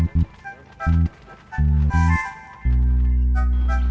kita harus balik ke siman eh